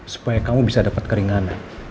supaya kamu bisa dapat keringanan